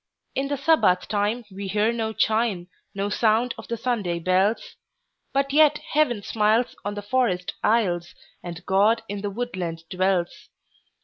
In the Sabbath time we hear no chime, No sound of the Sunday bells; But yet Heaven smiles on the forest aisles, And God in the woodland dwells.